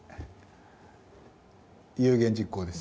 「夢言実行」です。